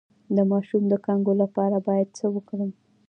د ماشوم د کانګو لپاره باید څه وکړم؟